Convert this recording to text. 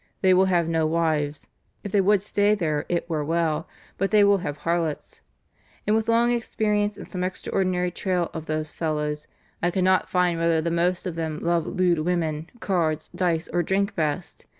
They will have no wives. If they would stay there it were well; but they will have harlots ... And with long experience and some extraordinary trail of those fellows, I cannot find whether the most of them love lewd women, cards, dice, or drink best.